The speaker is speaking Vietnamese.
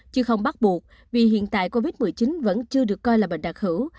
chứ không bắt buộc vì hiện tại covid một mươi chín vẫn chưa được coi là bệnh đặc hữu